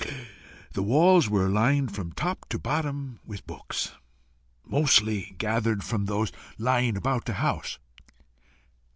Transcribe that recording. The walls were lined from top to bottom with books, mostly gathered from those lying about the house.